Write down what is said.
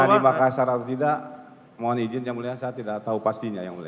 di makassar atau tidak mohon izin yang mulia saya tidak tahu pastinya yang mulia